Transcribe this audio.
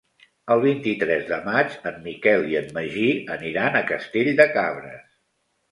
El vint-i-tres de maig en Miquel i en Magí aniran a Castell de Cabres.